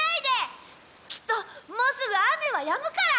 きっともうすぐ雨はやむから！